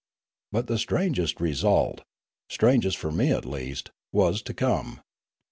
But the strangest result — strangest for me at least — was to come.